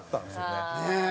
ねえ。